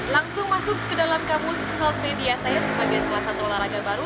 langsung masuk ke dalam kamus healthredia saya sebagai salah satu olahraga baru